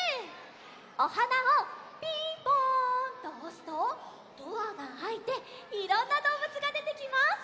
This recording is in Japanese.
おはなを「ピンポン！」とおすとドアがあいていろんなどうぶつがでてきます！